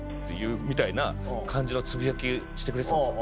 みたいな感じのつぶやきしてくれてたんです。